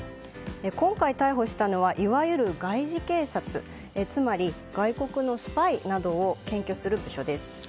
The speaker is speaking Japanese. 今回逮捕したのはいわゆる外事警察つまり外国のスパイなどを検挙する場所です。